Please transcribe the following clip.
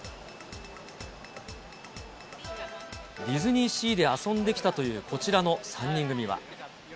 ディズニーシーで遊んできたというこちらの３人組は。